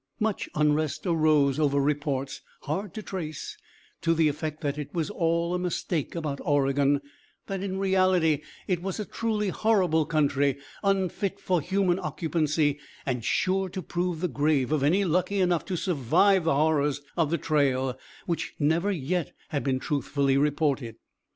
Much unrest arose over reports, hard to trace, to the effect that it was all a mistake about Oregon; that in reality it was a truly horrible country, unfit for human occupancy, and sure to prove the grave of any lucky enough to survive the horrors of the trail, which never yet had been truthfully reported.